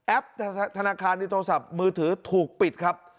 ธนาคารในโทรศัพท์มือถือถูกปิดครับ